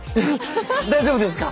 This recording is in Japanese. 大丈夫ですか？